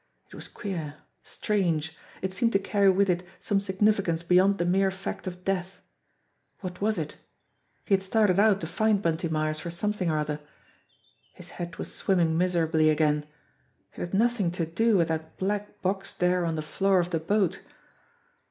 It was queer ! Strange ! It seemed to carry with it some significance beyond the mere fact of death. What was it ? He had started out to find Bunty Myers for some thing or other. His head was swimming miserably again. It had nothing to do with that black box there on the floor of the boat.